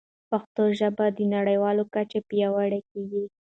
پښتو ژبه په نړیواله کچه پیاوړې کړئ.